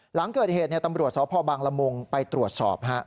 หลังเกิดเหตุตำรวจศาสตร์พ่อบางละมงไปตรวจสอบ